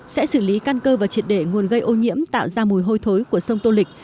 sẽ xử lý căn cơ và triệt để nguồn gây ô nhiễm tạo ra mùi hôi thối của sông tô lịch